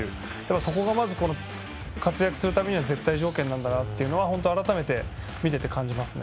そこが、活躍するためには絶対条件なんだなというのは改めて見ていて感じます。